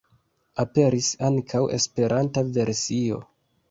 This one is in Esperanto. Aperis ankaŭ esperanta versio.